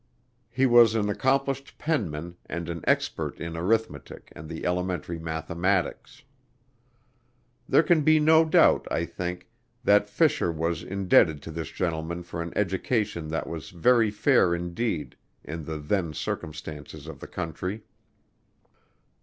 He was an accomplished penman and an expert in arithmetic and the elementary mathematics. There can be no doubt, I think, that Fisher was indebted to this gentleman for an education that was very fair indeed, in the then circumstances of the country.